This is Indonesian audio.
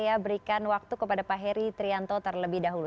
saya berikan waktu kepada pak heri trianto terlebih dahulu